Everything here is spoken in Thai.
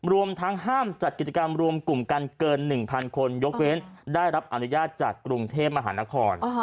รวมทั้งห้ามจัดกิจกรรมรวมกลุ่มกันเกิน๑๐๐คนยกเว้นได้รับอนุญาตจากกรุงเทพมหานคร